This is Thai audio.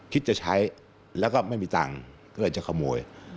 คิดจะใช้แล้วก็ไม่มีตังค์ก็เลยจะขโมย